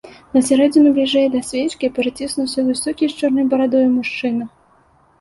На сярэдзіну, бліжэй да свечкі, праціснуўся высокі з чорнаю барадою мужчына.